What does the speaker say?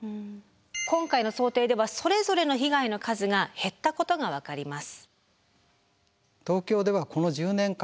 今回の想定ではそれぞれの被害の数が減ったことが分かります。